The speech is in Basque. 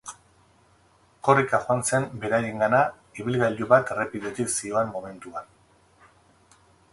Korrika joan zen beraiengana ibilgailu bat errepidetik zioan momentuan.